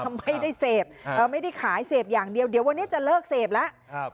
ไม่ได้เสพไม่ได้ขายเสพอย่างเดียวเดี๋ยววันนี้จะเลิกเสพแล้ว